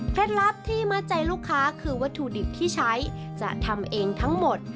ลับที่มัดใจลูกค้าคือวัตถุดิบที่ใช้จะทำเองทั้งหมด